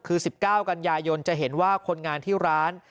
คือ๑๙กันยายนจะเห็นว่าคนงานที่ร้าน